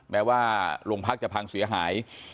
แม้ว่าโรงพักเคลื่อนจะพังเสียหาย